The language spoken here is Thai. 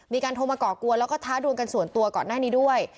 มีการโทรมาก่อกวนแล้วก็ท้าดวงกันส่วนตัวก่อนหน้านี้ด้วย